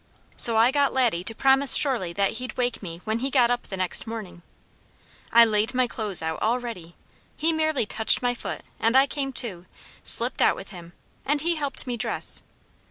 So I got Laddie to promise surely that he'd wake me when he got up the next morning. I laid my clothes out all ready; he merely touched my foot, and I came to, slipped out with him, and he helped me dress.